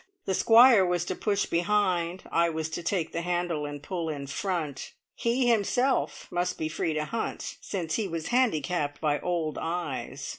The Squire was to push behind; I was to take the handle and pull in front; he himself must be free to hunt, since he was handicapped by old eyes.